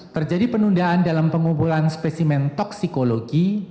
terjadi penundaan dalam pengumpulan spesimen toksikologi